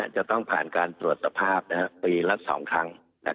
จะต้องผ่านการตรวจสภาพปีละ๒ครั้ง